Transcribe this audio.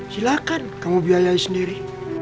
silakan kamu biayai sendiri